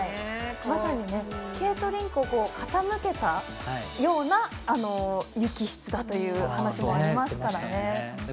まさにスケートリンクを傾けたような雪質だという話もありますからね。